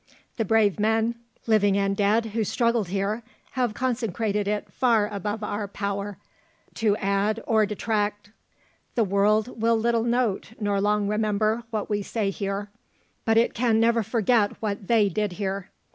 The brave men, living and dead, who struggled here, have consecrated it far above our power to add or detract. The world will little note, nor long remember, what we say here, but it can never forget what they did here.